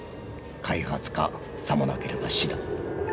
「開発かさもなければ死だ」。